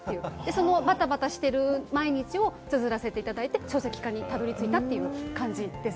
そのバタバタしている毎日を綴らせていただいて書籍化にたどり着いたという感じです。